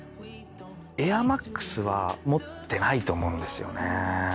エアマックスは持ってないと思うんですよね。